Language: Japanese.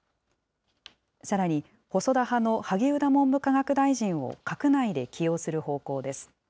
さらに細田派の萩生田文部科学大臣を閣内で起用する方向です。